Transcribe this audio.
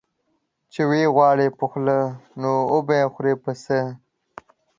چي وې غواړې په خوله، نو وبې خورې په څه؟